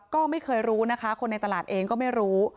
ก็ไม่เคยรู้นะคะคนในตลาดเองก็ไม่รู้